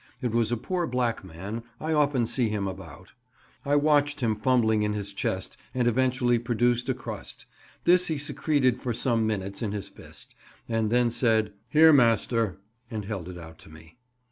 It was a poor black man (I often see him about). I watched him fumbling in his chest and eventually produce a crust; this he secreted for some minutes in his fist, and then said, "Here, master," and held it out to me.